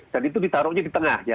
dan itu ditaruhnya di tengah ya